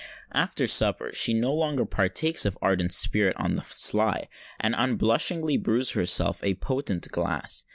After supper she no longer partakes of ardent spirit on the sly, and unblushingly brews herself a potent glass.